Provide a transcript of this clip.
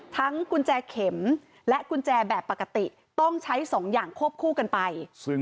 กุญแจเข็มและกุญแจแบบปกติต้องใช้สองอย่างควบคู่กันไป